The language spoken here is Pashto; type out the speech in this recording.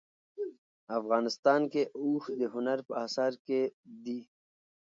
افغانستان کې اوښ د هنر په اثار کې دي.